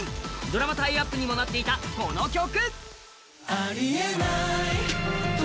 ドラマタイアップにもなっていたこの曲。